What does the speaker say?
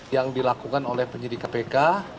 yang dilakukan oleh penyidik kpk